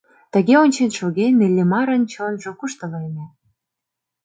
Тыге ончен шоген Иллимарын чонжо куштылеме.